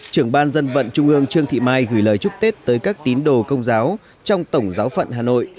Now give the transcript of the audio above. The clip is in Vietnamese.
trưởng ban dân vận trung ương trương thị mai gửi lời chúc tết tới các tín đồ công giáo trong tổng giáo phận hà nội